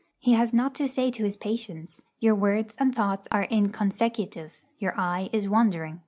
He has not to say to his patients, 'Your words and thoughts are inconsecutive, your eye is wandering, &c.